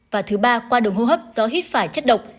và thứ ba qua đường hô hấp do hít phải chất độc